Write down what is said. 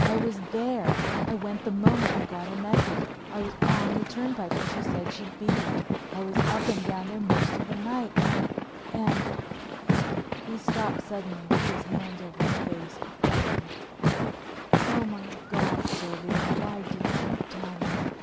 I was there; I went the moment I got her message. I was on the turnpike where she said she'd be. I was up and down there most of the night. And—and——" he stopped suddenly and put his hands over his face, groaning, "Oh, my God, Sylvia—why didn't you tell me?"